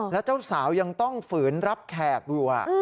แล้วเจ้าสาวยังต้องฝืนรับแขกอยู่